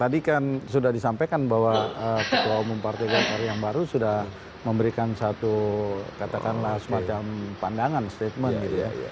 tadi kan sudah disampaikan bahwa ketua umum partai golkar yang baru sudah memberikan satu katakanlah semacam pandangan statement gitu ya